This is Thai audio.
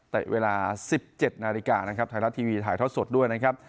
เวลา๑๗นาฬิกานะครับไทยรัฐทีวีถ่ายทอดสดด้วยนะครับ